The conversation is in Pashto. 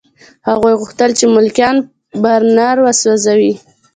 هغوی غوښتل چې ملکیان په برنر وسوځوي